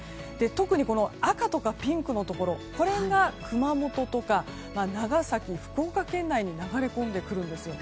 特に赤とかピンクのところこの辺が熊本とか長崎、福岡県内に流れ込んでくるんです。